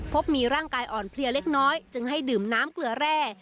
พบมีร่างกายอ่อนเพลียเล็กน้อยจึงให้ดื่มน้ำเกลือแร่